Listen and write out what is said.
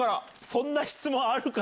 そんな質問あるか！